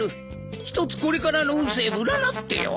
一つこれからの運勢占ってよ！